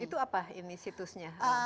itu apa ini situsnya